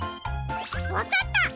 わかった！